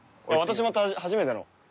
私も初めての。